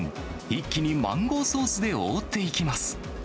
一気にマンゴーソースで覆っていきます。